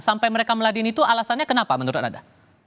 sampai mereka meladin itu alasannya kenapa menurut anda